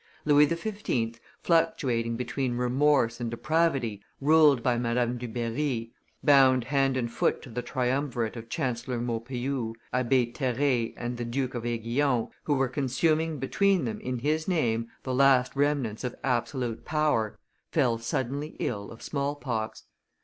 Louis XV., fluctuating between remorse and depravity, ruled by Madame Dubarry, bound hand and foot to the triumvirate of Chancellor Maupeou, Abbe Terray, and the Duke of Aiguillon, who were consuming between them in his name the last remnants of absolute power, fell suddenly ill of small pox.